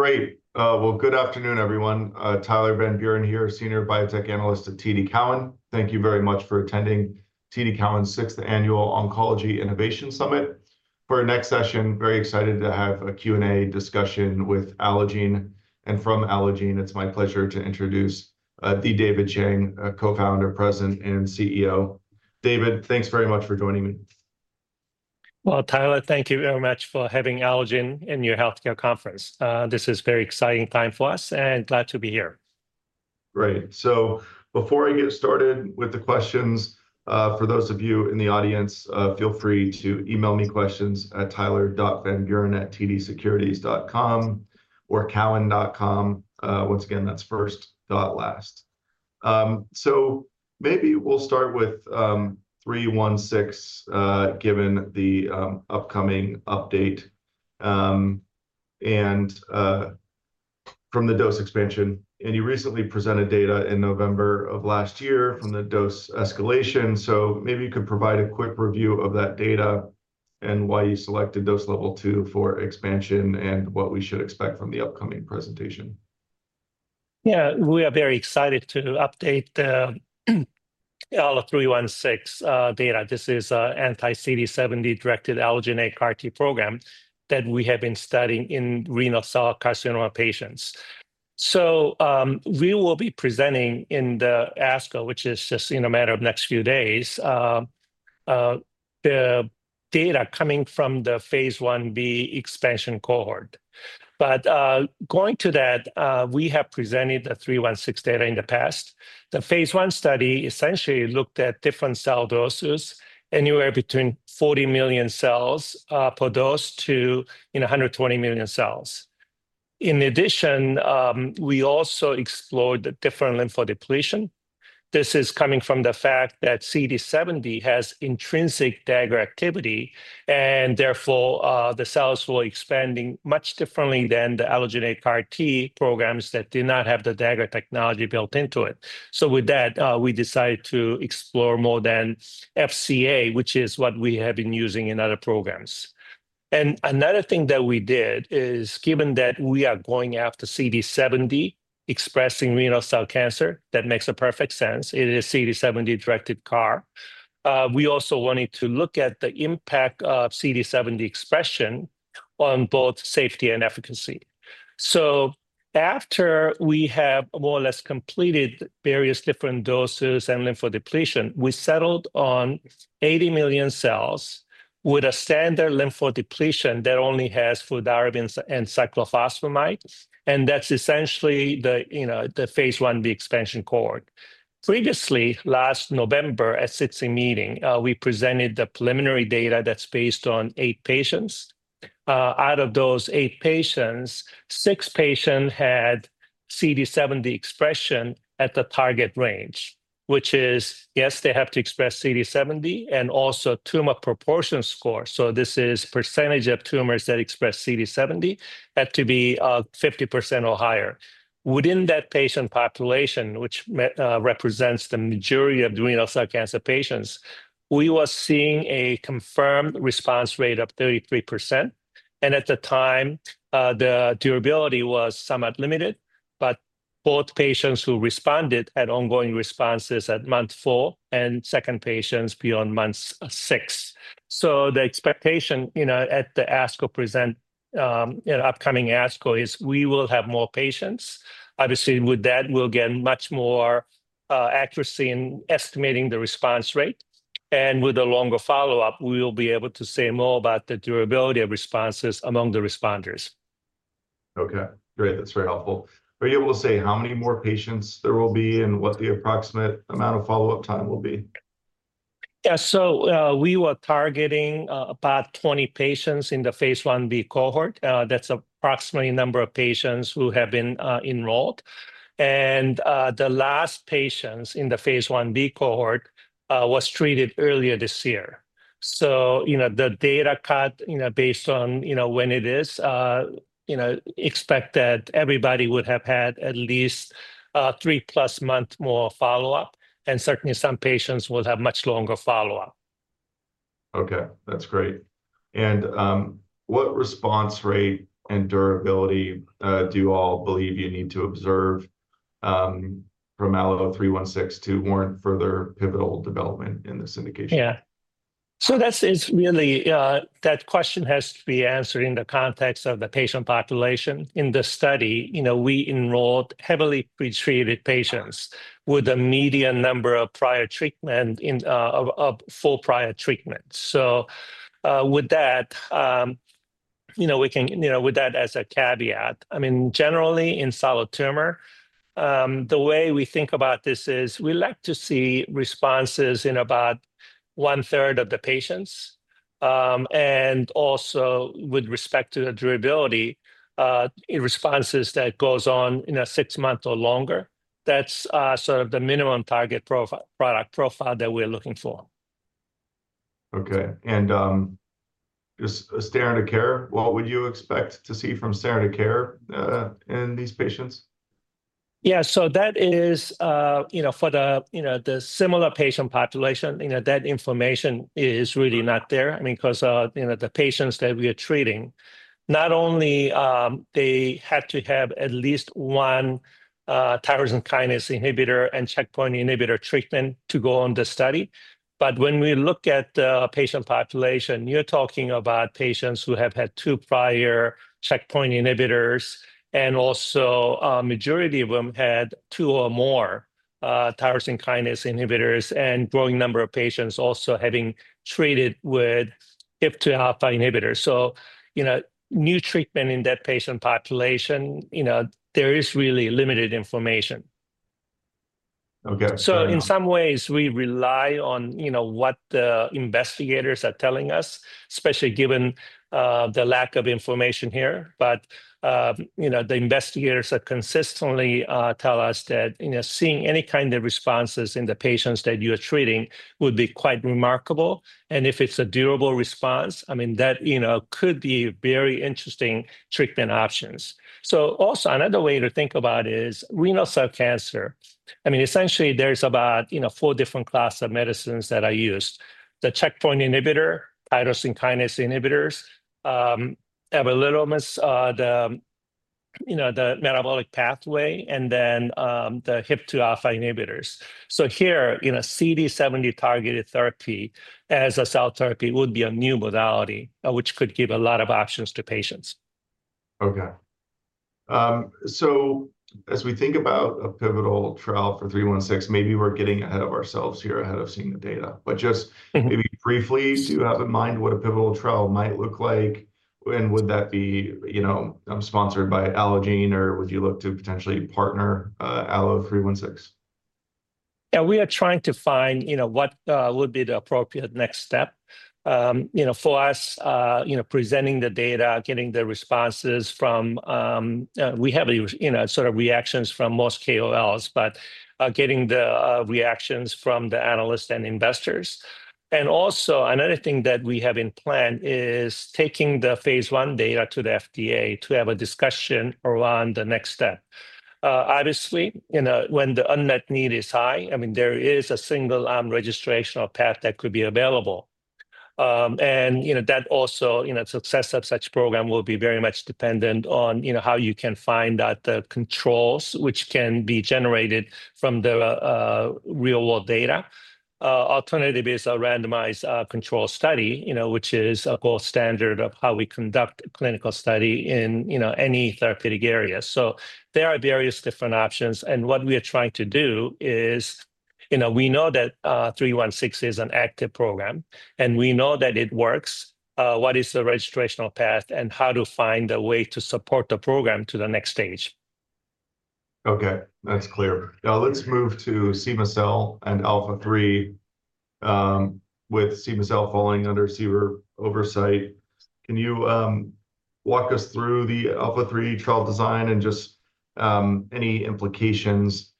Great. Good afternoon, everyone. Tyler Van Buren here, Senior Biotech Analyst at TD Cowen. Thank you very much for attending TD Cowen's 6th Annual Oncology Innovation Summit. For our next session, very excited to have a Q&A discussion with Allogene. From Allogene, it is my pleasure to introduce David Chang, Co-founder, President, and CEO. David Chang, thanks very much for joining me. Tyler Van Buren, thank you very much for having Allogene in your healthcare conference. This is a very exciting time for us and glad to be here. Great. Before I get started with the questions, for those of you in the audience, feel free to email me questions at Tyler.VanBuren@TDsecurities.com or Cowen.com. Once again, that's first dot last. Maybe we'll start with ALLO-316, given the upcoming update and from the dose expansion. You recently presented data in November of last year from the dose escalation. Maybe you could provide a quick review of that data and why you selected dose level two for expansion and what we should expect from the upcoming presentation. Yeah, we are very excited to update all of ALLO-316 data. This is anti-CD70-directed Allogene CAR T program that we have been studying in renal cell carcinoma patients. We will be presenting in the ASCO, which is just in a matter of the next few days, the data coming from the phase Ib expansion cohort. Going to that, we have presented the ALLO-316 data in the past. The phase I study essentially looked at different cell doses, anywhere between 40 million cells per dose to 120 million cells. In addition, we also explored the different lymphodepletion. This is coming from the fact that CD70 has intrinsic dagger activity, and therefore the cells will expand much differently than the Allogene CAR T programs that do not have the dagger technology built into it. With that, we decided to explore more than FCA, which is what we have been using in other programs. Another thing that we did is, given that we are going after CD70-expressing renal cell cancer, that makes perfect sense. It is a CD70-directed CAR T. We also wanted to look at the impact of CD70 expression on both safety and efficacy. After we have more or less completed various different doses and lymphodepletion, we settled on 80 million cells with a standard lymphodepletion that only has fludarabine and cyclophosphamide. That is essentially the phase Ib expansion cohort. Previously, last November at the 16 meeting, we presented the preliminary data that is based on eight patients. Out of those eight patients, six patients had CD70 expression at the target range, which is, yes, they have to express CD70 and also tumor proportion score. This is percentage of tumors that express CD70 had to be 50% or higher. Within that patient population, which represents the majority of renal cell cancer patients, we were seeing a confirmed response rate of 33%. At the time, the durability was somewhat limited, but both patients who responded had ongoing responses at month four and second patients beyond month six. The expectation at the ASCO present, at upcoming ASCO, is we will have more patients. Obviously, with that, we'll get much more accuracy in estimating the response rate. With a longer follow-up, we will be able to say more about the durability of responses among the responders. Okay, great. That's very helpful. Are you able to say how many more patients there will be and what the approximate amount of follow-up time will be? Yeah, so we were targeting about 20 patients in the phase Ib cohort. That's approximately the number of patients who have been enrolled. The last patients in the phase Ib cohort were treated earlier this year. The data cut is based on when it is expected that everybody would have had at least three plus months more follow-up, and certainly some patients will have much longer follow-up. Okay, that's great. What response rate and durability do you all believe you need to observe from ALLO-316 to warrant further pivotal development in this indication? Yeah. That question has to be answered in the context of the patient population. In the study, we enrolled heavily pretreated patients with a median number of prior treatment of four prior treatment. With that as a caveat, I mean, generally in solid tumor, the way we think about this is we like to see responses in about 1/3 of the patients. Also, with respect to the durability, responses that go on six months or longer. That is sort of the minimum target product profile that we are looking for. Okay. Just a standard of care, what would you expect to see from standard of care in these patients? Yeah, so that is for the similar patient population, that information is really not there. I mean, because the patients that we are treating, not only do they have to have at least one tyrosine kinase inhibitor and checkpoint inhibitor treatment to go on the study, but when we look at the patient population, you're talking about patients who have had two prior checkpoint inhibitors, and also a majority of them had two or more tyrosine kinase inhibitors, and a growing number of patients also having treated with HIF-2α inhibitors. New treatment in that patient population, there is really limited information. Okay. In some ways, we rely on what the investigators are telling us, especially given the lack of information here. The investigators are consistently telling us that seeing any kind of responses in the patients that you are treating would be quite remarkable. If it's a durable response, I mean, that could be very interesting treatment options. Also, another way to think about it is renal cell cancer. I mean, essentially, there's about four different classes of medicines that are used: the checkpoint inhibitor, tyrosine kinase inhibitors, the metabolic pathway, and then the HIF-2α inhibitors. Here, CD70 targeted therapy as a cell therapy would be a new modality, which could give a lot of options to patients. Okay. As we think about a pivotal trial for 316, maybe we're getting ahead of ourselves here ahead of seeing the data. Just maybe briefly, do you have in mind what a pivotal trial might look like? Would that be sponsored by Allogene, or would you look to potentially partner ALLO-316? Yeah, we are trying to find what would be the appropriate next step. For us, presenting the data, getting the responses from we have sort of reactions from most KOLs, but getting the reactions from the analysts and investors. Also, another thing that we have in plan is taking the phase 1 data to the FDA to have a discussion around the next step. Obviously, when the unmet need is high, I mean, there is a single armed registration or path that could be available. That also, success of such program will be very much dependent on how you can find out the controls, which can be generated from the real-world data. Alternatively, there is a randomized control study, which is a gold standard of how we conduct clinical study in any therapeutic area. There are various different options. What we are trying to do is we know that 316 is an active program, and we know that it works. What is the registration path and how to find a way to support the program to the next stage? Okay, that's clear. Now let's move to cema-cel and ALPHA3. With cema-cel falling under CBER oversight, can you walk us through the ALPHA3 trial design and just any implications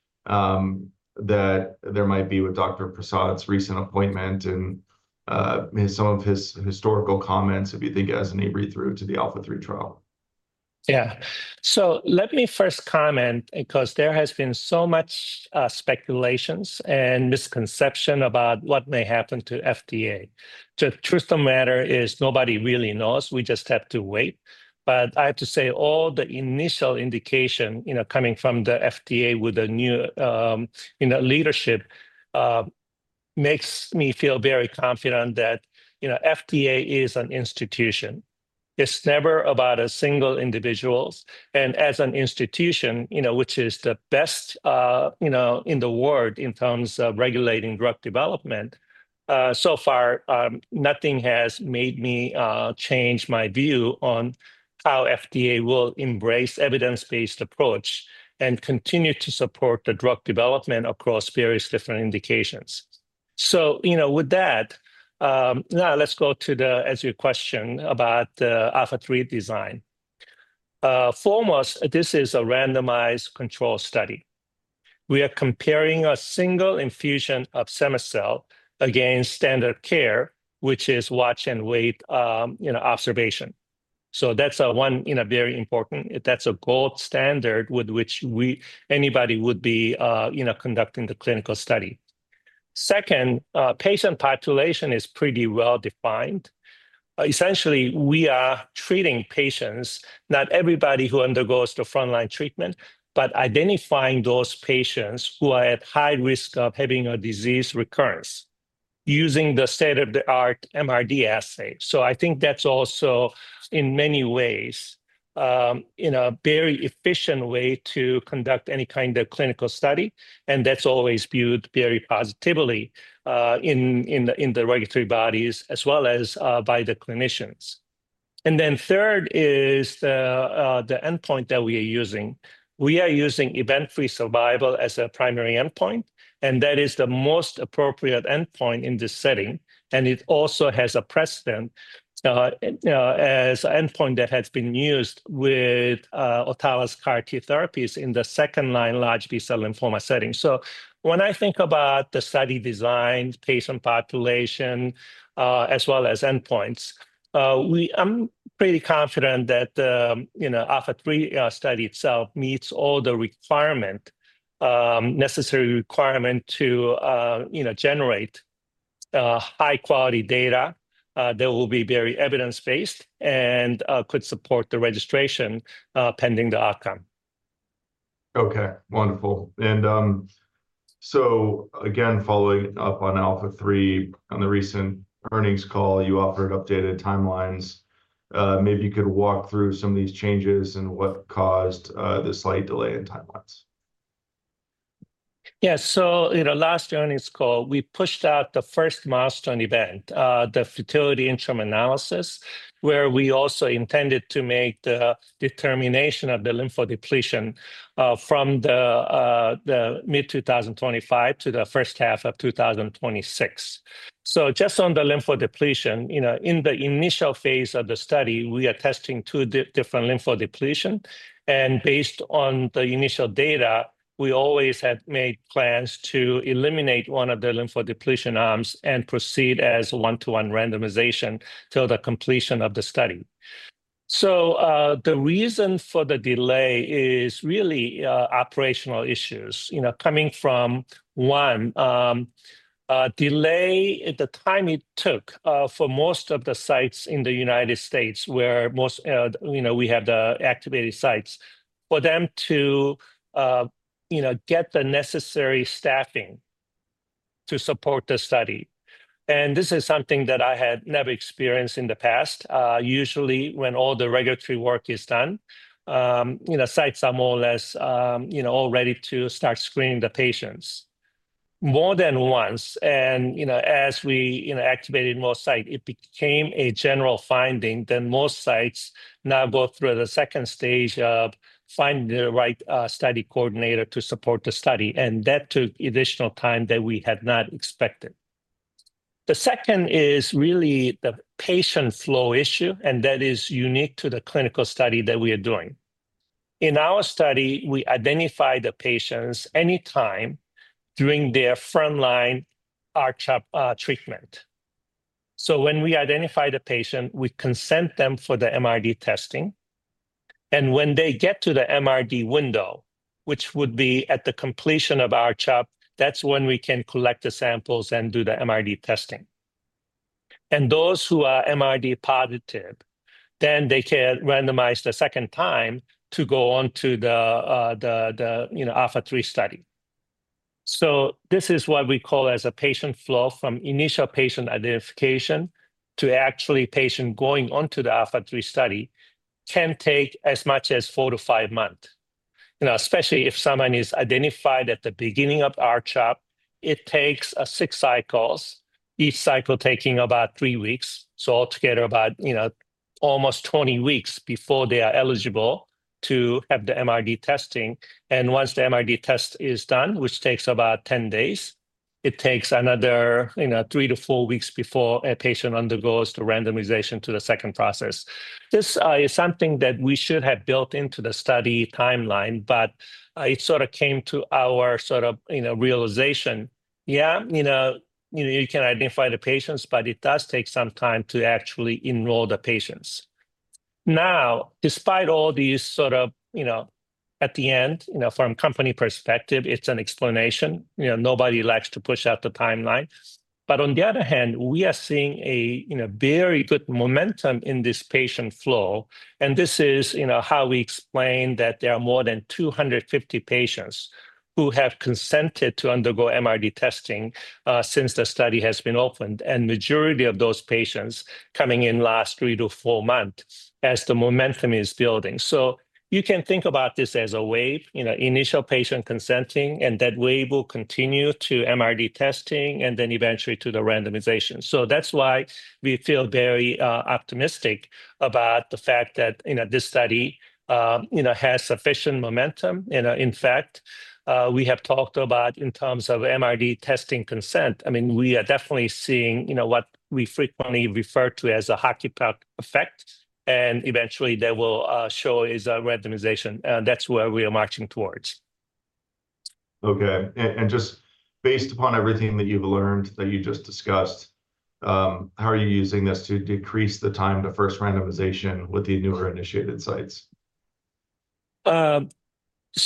that there might be with Dr. Vinay Prasad's recent appointment and some of his historical comments, if you think as an easy read-through to the ALPHA3 trial? Yeah. Let me first comment because there has been so much speculation and misconception about what may happen to FDA. The truth of the matter is nobody really knows. We just have to wait. I have to say all the initial indication coming from the FDA with the new leadership makes me feel very confident that FDA is an institution. It's never about single individuals. As an institution, which is the best in the world in terms of regulating drug development, so far, nothing has made me change my view on how FDA will embrace evidence-based approach and continue to support the drug development across various different indications. With that, now let's go to the answer to your question about the ALPHA3 design. Foremost, this is a randomized control study. We are comparing a single infusion of cema-cel against standard care, which is watch and wait observation. That is one very important, that is a gold standard with which anybody would be conducting the clinical study. Second, patient population is pretty well defined. Essentially, we are treating patients, not everybody who undergoes the frontline treatment, but identifying those patients who are at high risk of having a disease recurrence using the state-of-the-art MRD assay. I think that is also in many ways a very efficient way to conduct any kind of clinical study. That is always viewed very positively in the regulatory bodies as well as by the clinicians. Third is the end-point that we are using. We are using event-free survival as a primary end-point, and that is the most appropriate end-point in this setting. It also has a precedent as an end-point that has been used with autologous CAR T therapies in the second line large B-cell lymphoma setting. When I think about the study design, patient population, as well as end-points, I'm pretty confident that the ALPHA3 study itself meets all the requirement, necessary requirement to generate high-quality data that will be very evidence-based and could support the registration pending the outcome. Okay, wonderful. Again, following up on ALPHA3, on the recent earnings call, you offered updated timelines. Maybe you could walk through some of these changes and what caused the slight delay in timelines. Yeah. Last earnings call, we pushed out the first milestone event, the futility interim analysis, where we also intended to make the determination of the lymphodepletion from mid-2025 to the first-half of 2026. Just on the lymphodepletion, in the initial phase of the study, we are testing two different lymphodepletion. Based on the initial data, we always had made plans to eliminate one of the lymphodepletion arms and proceed as one-to-one randomization till the completion of the study. The reason for the delay is really operational issues. Coming from, one, delay in the time it took for most of the sites in the United States where we have the activated sites for them to get the necessary staffing to support the study. This is something that I had never experienced in the past. Usually, when all the regulatory work is done, sites are more or less all ready to start screening the patients. More than once, as we activated more sites, it became a general finding that most sites now go through the second stage of finding the right study coordinator to support the study. That took additional time that we had not expected. The second is really the patient flow issue, and that is unique to the clinical study that we are doing. In our study, we identify the patients anytime during their frontline R-CHOP treatment. When we identify the patient, we consent them for the MRD testing. When they get to the MRD window, which would be at the completion of R-CHOP, that is when we can collect the samples and do the MRD testing. Those who are MRD positive, then they can randomize the second time to go on to the ALPHA3 study. This is what we call as a patient flow from initial patient identification to actually patient going on to the ALPHA3 study, and it can take as much as four to five months. Especially if someone is identified at the beginning of R-CHOP, it takes six cycles, each cycle taking about three weeks. Altogether, about almost 20 weeks before they are eligible to have the MRD testing. Once the MRD test is done, which takes about 10 days, it takes another three to four weeks before a patient undergoes the randomization to the second process. This is something that we should have built into the study timeline, but it sort of came to our sort of realization, yeah, you can identify the patients, but it does take some time to actually enroll the patients. Now, despite all these sort of at the end, from a company perspective, it's an explanation. Nobody likes to push out the timeline. On the other hand, we are seeing a very good momentum in this patient flow. This is how we explain that there are more than 250 patients who have consented to undergo MRD testing since the study has been opened. The majority of those patients coming in last three to four months as the momentum is building. You can think about this as a wave, initial patient consenting, and that wave will continue to MRD testing and then eventually to the randomization. That's why we feel very optimistic about the fact that this study has sufficient momentum. In fact, we have talked about in terms of MRD testing consent. I mean, we are definitely seeing what we frequently refer to as a hockey puck effect. Eventually, that will show as a randomization. That's where we are marching towards. Okay. Based upon everything that you've learned that you just discussed, how are you using this to decrease the time to first randomization with the newer initiated sites? This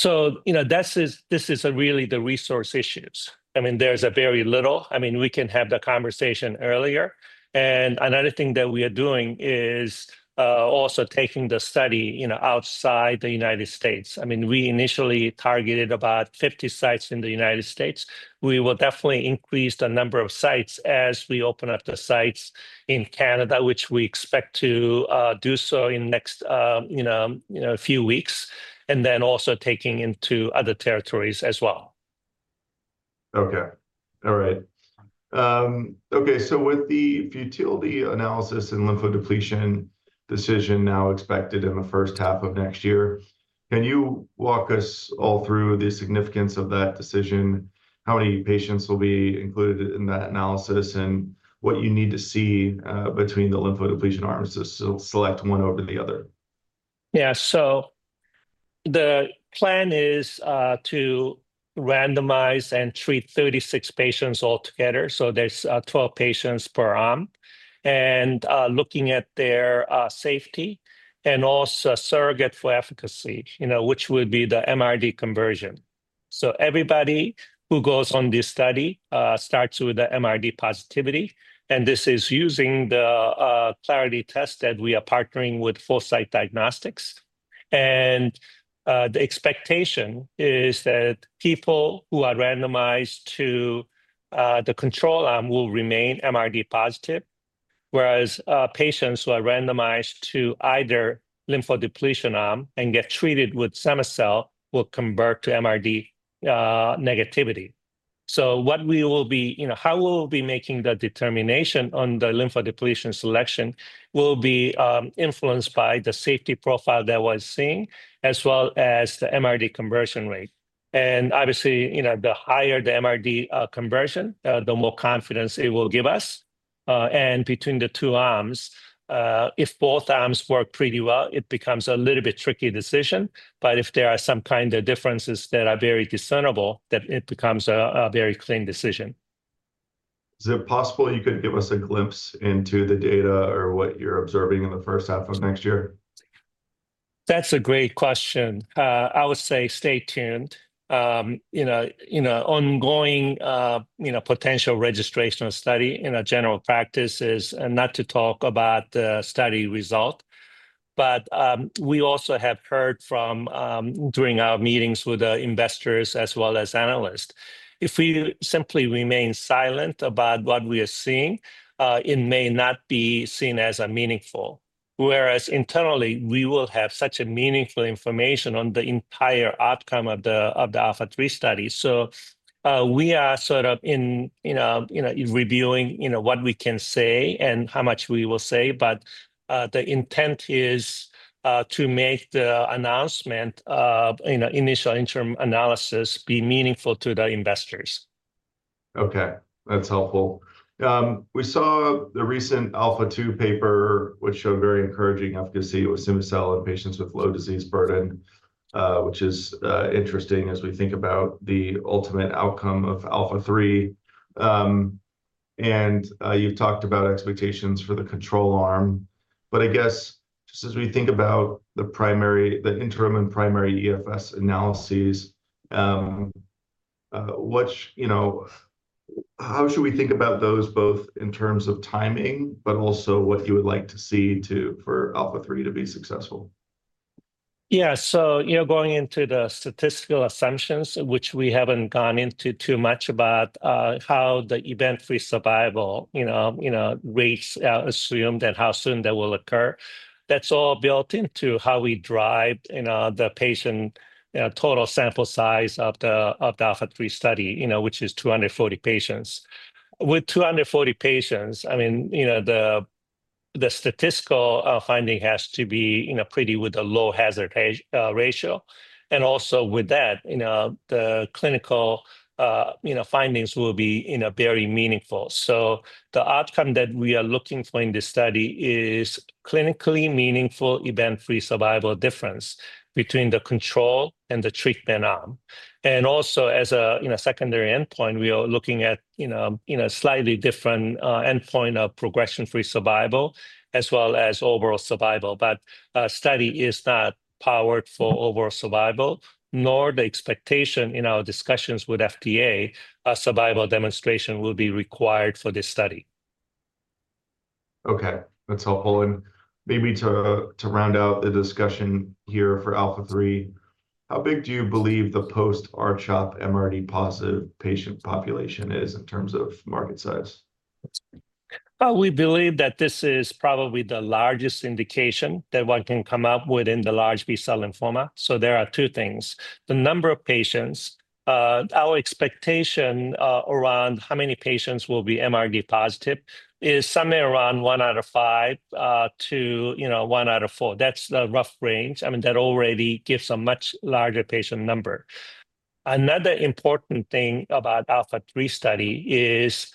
is really the resource issues. I mean, there's very little. I mean, we can have the conversation earlier. Another thing that we are doing is also taking the study outside the United States. I mean, we initially targeted about 50 sites in the United States. We will definitely increase the number of sites as we open up the sites in Canada, which we expect to do so in the next few weeks, and then also taking into other territories as well. Okay. All right. Okay. With the futility analysis and lymphodepletion decision now expected in the first half of next year, can you walk us all through the significance of that decision? How many patients will be included in that analysis and what you need to see between the lymphodepletion arms to select one over the other? Yeah. The plan is to randomize and treat 36 patients altogether. There are 12 patients per arm. Looking at their safety and also surrogate for efficacy, which would be the MRD conversion. Everybody who goes on this study starts with the MRD positivity. This is using the Clarity test that we are partnering with Foresight Diagnostics. The expectation is that people who are randomized to the control arm will remain MRD positive, whereas patients who are randomized to either lymphodepletion arm and get treated with cema-cel will convert to MRD negativity. How we will be making the determination on the lymphodepletion selection will be influenced by the safety profile that we are seeing, as well as the MRD conversion rate. Obviously, the higher the MRD conversion, the more confidence it will give us. Between the two arms, if both arms work pretty well, it becomes a little bit tricky decision. If there are some kind of differences that are very discernible, then it becomes a very clean decision. Is it possible you could give us a glimpse into the data or what you're observing in the first half of next year? That's a great question. I would say stay tuned. Ongoing potential registration study in a general practice is not to talk about the study result. We also have heard from during our meetings with investors as well as analysts. If we simply remain silent about what we are seeing, it may not be seen as meaningful. Whereas internally, we will have such meaningful information on the entire outcome of the ALPHA3 study. We are sort of reviewing what we can say and how much we will say. The intent is to make the announcement of initial interim analysis be meaningful to the investors. Okay. That's helpful. We saw the recent ALPHA2 paper, which showed very encouraging efficacy with cema-cel in patients with low disease burden, which is interesting as we think about the ultimate outcome of ALPHA3. You have talked about expectations for the control arm. I guess just as we think about the interim and primary EFS analyses, how should we think about those both in terms of timing, but also what you would like to see for ALPHA3 to be successful? Yeah. So going into the statistical assumptions, which we haven't gone into too much about how the event-free survival rates are assumed and how soon they will occur, that's all built into how we drive the patient total sample size of the ALPHA3 study, which is 240 patients. With 240 patients, I mean, the statistical finding has to be pretty with a low hazard ratio. I mean, with that, the clinical findings will be very meaningful. The outcome that we are looking for in this study is clinically meaningful event-free survival difference between the control and the treatment arm. Also, as a secondary end-point, we are looking at a slightly different end-point of progression-free survival as well as overall survival. The study is not powered for overall survival, nor the expectation in our discussions with FDA survival demonstration will be required for this study. Okay. That's helpful. Maybe to round out the discussion here for ALPHA3, how big do you believe the post-R-CHOP MRD positive patient population is in terms of market size? We believe that this is probably the largest indication that one can come up with in the large B-cell lymphoma. There are two things. The number of patients, our expectation around how many patients will be MRD positive is somewhere around one out of five to one out of four. That's the rough range. I mean, that already gives a much larger patient number. Another important thing about ALPHA3 study is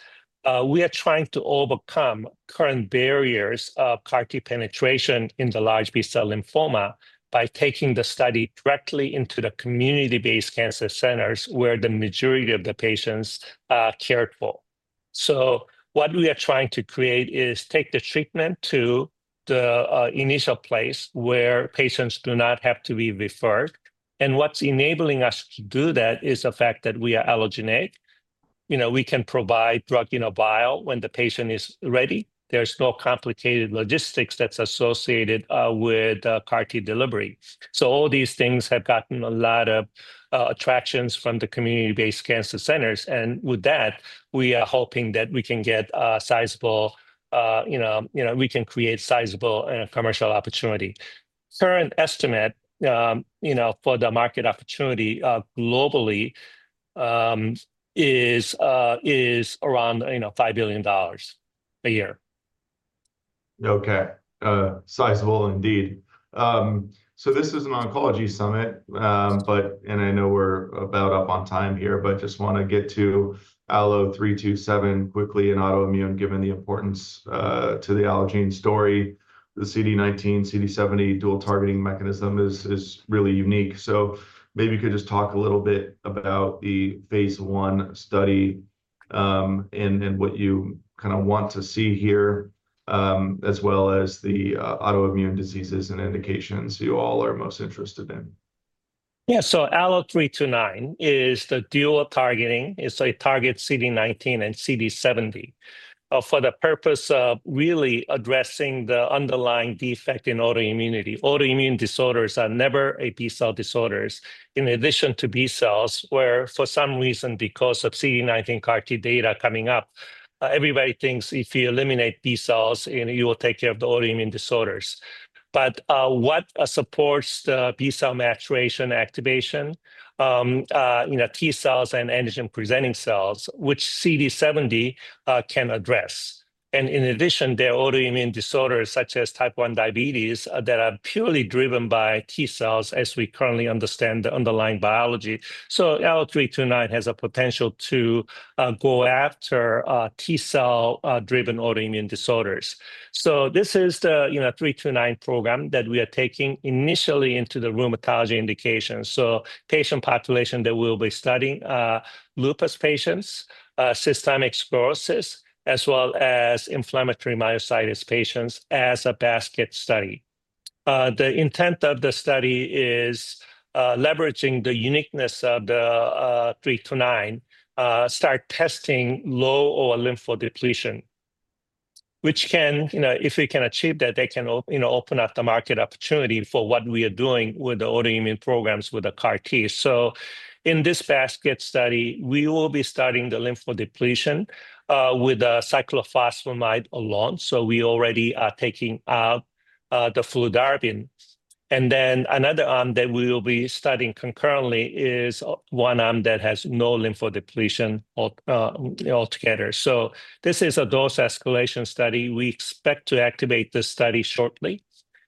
we are trying to overcome current barriers of CAR T penetration in the large B-cell lymphoma by taking the study directly into the community-based cancer centers where the majority of the patients are cared for. What we are trying to create is take the treatment to the initial place where patients do not have to be referred. What's enabling us to do that is the fact that we are allogeneic. We can provide drug in a vial when the patient is ready. There's no complicated logistics that's associated with CAR T delivery. All these things have gotten a lot of attractions from the community-based cancer centers. With that, we are hoping that we can create sizable commercial opportunity. Current estimate for the market opportunity globally is around $5 billion a year. Okay. Sizable indeed. This is an oncology summit, and I know we're about up on time here, but just want to get to ALLO-329 quickly in autoimmune given the importance to the Allogene story. The CD19, CD70 dual targeting mechanism is really unique. Maybe you could just talk a little bit about the phase one study and what you kind of want to see here, as well as the autoimmune diseases and indications you all are most interested in. Yeah. So ALLO-329 is the dual targeting. It targets CD19 and CD70 for the purpose of really addressing the underlying defect in autoimmunity. Autoimmune disorders are never a B cell disorder. In addition to B cells, where for some reason, because of CD19 CAR T data coming up, everybody thinks if you eliminate B cells, you will take care of the autoimmune disorders. What supports the B cell maturation activation is T cells and antigen-presenting cells, which CD70 can address. In addition, there are autoimmune disorders such as type 1 diabetes that are purely driven by T cells as we currently understand the underlying biology. ALLO-329 has the potential to go after T cell-driven autoimmune disorders. This is the ALLO-329 program that we are taking initially into the rheumatology indication. The patient population that we will be studying, lupus patients, systemic sclerosis, as well as inflammatory myositis patients as a basket study. The intent of the study is leveraging the uniqueness of the ALLO-329, start testing low or lymphodepletion, which can, if we can achieve that, open up the market opportunity for what we are doing with the autoimmune programs with the CAR T. In this basket study, we will be studying the lymphodepletion with cyclophosphamide alone. We already are taking out the fludarabine. Another arm that we will be studying concurrently is one arm that has no lymphodepletion altogether. This is a dose escalation study. We expect to activate this study shortly.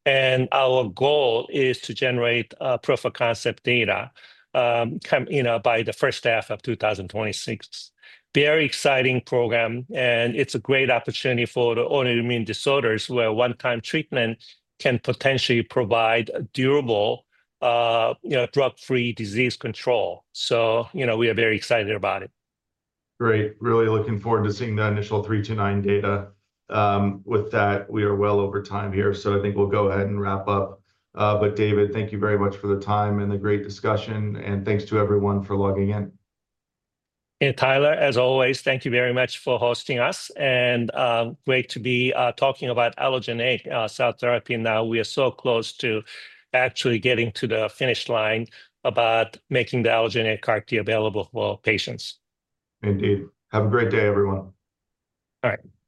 Our goal is to generate proof of concept data by the first half of 2026. Very exciting program. It is a great opportunity for the autoimmune disorders where one-time treatment can potentially provide durable drug-free disease control. We are very excited about it. Great. Really looking forward to seeing the initial ALLO-329 data. With that, we are well over time here. I think we'll go ahead and wrap up. David Chang, thank you very much for the time and the great discussion. Thanks to everyone for logging in. Tyler Van Buren, as always, thank you very much for hosting us. It is great to be talking about allogeneic cell therapy. Now we are so close to actually getting to the finish line about making the allogeneic CAR T available for patients. Indeed. Have a great day, everyone. All right.